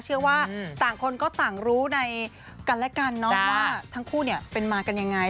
เชื่อว่าต่างคนก็ต่างรู้ในกันและกันเนาะว่าทั้งคู่เนี่ยเป็นมากันยังไง